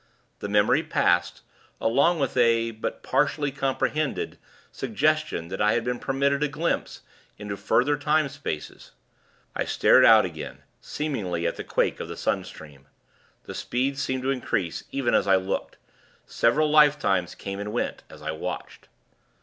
The memory passed, along with a, but partially comprehended, suggestion that I had been permitted a glimpse into further time spaces. I stared out again, seemingly, at the quake of the sun stream. The speed seemed to increase, even as I looked. Several lifetimes came and went, as I watched.